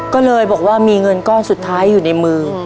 ก็เลยบอกว่ามีเงินก้อนสุดท้ายอยู่ในมือ